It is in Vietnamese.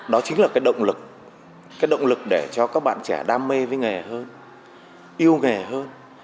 đó chính là cái động lực cái động lực để cho các bạn trẻ đam mê với nghề hơn yêu nghề hơn